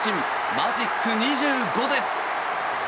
マジック２５です。